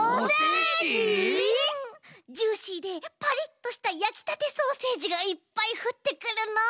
ジューシーでパリッとしたやきたてソーセージがいっぱいふってくるの。